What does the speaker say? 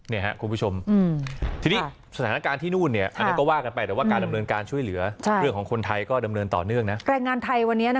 นี่ครับคุณผู้ชมทีนี้สถานการณ์ที่นู่นเนี่ยก็ว่ากันไปแต่ว่าการดำเนินการช่วยเหลือเรื่องของคนไทยก็ดำเนินต่อเนื่องนะ